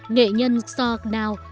nghệ nhân kso knau